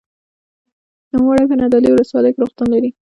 نوموړی په نادعلي ولسوالۍ کې روغتون لري.